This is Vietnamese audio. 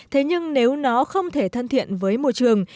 thế nhưng nếu nó không thể thân thiện với môi trường